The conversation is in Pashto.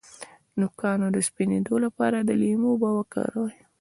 د نوکانو د سپینیدو لپاره د لیمو اوبه وکاروئ